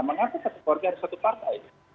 mengapa satu keluarga harus satu partai